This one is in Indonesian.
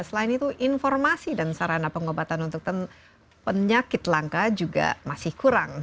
selain itu informasi dan sarana pengobatan untuk penyakit langka juga masih kurang